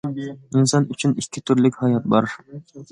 ئىنسان ئۈچۈن ئىككى تۈرلۈك ھايات بار.